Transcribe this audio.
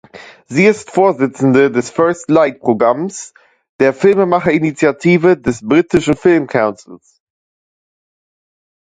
Sie ist Vorsitzende des „First Light“-Programmes, der Filmemacher-Initiative des britischen Film Councils.